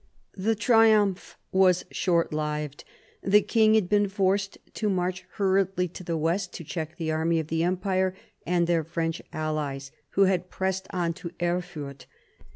The triumph was short lived. The king had been forced to march hurriedly to the west to check the army of the Empire, and their French allies, who had pressed on to Erfurt.